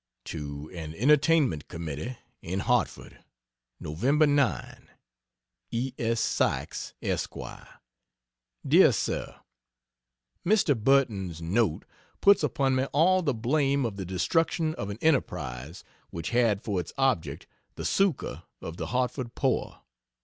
To an Entertainment Committee, in Hartford: Nov. 9. E. S. SYKES, Esq: Dr. SIR, Mr. Burton's note puts upon me all the blame of the destruction of an enterprise which had for its object the succor of the Hartford poor.